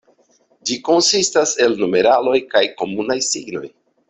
Ĝi konsistas el numeraloj kaj komunaj signoj.